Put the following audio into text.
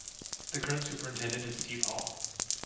The current superintendent is Steve Hall.